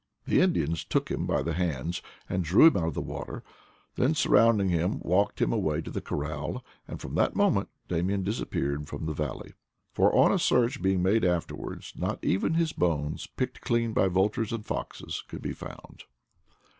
The Indians took him by the hands and drew him out of the water, then, surrounding him, walked him away to the corral, and from that moment Damian disappeared from the val ley; for on a search being made afterwards, not even his bones, picked clean by vultures and foxes, could be found.